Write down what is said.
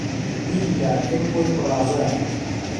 بیللا دڵ بۆی پڕ ئازاره